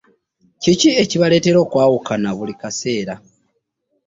Kiki ekibaleetera okwawukana buli kaseera?